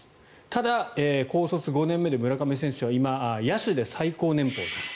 ただ、高卒５年目で村上選手は今野手で最高年俸です。